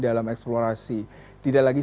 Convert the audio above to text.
dalam eksplorasi tidak lagi